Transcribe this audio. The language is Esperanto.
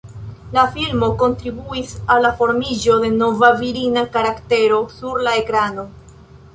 La filmo kontribuis al la formiĝo de nova virina karaktero sur la ekrano.